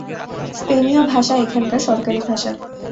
স্পেনীয় ভাষা এখানকার সরকারি ভাষা।